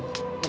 gak perlu tante